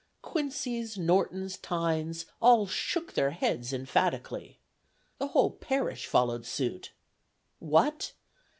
Quincys, Nortons, Tynes, all shook their heads emphatically. The whole parish followed suit. What!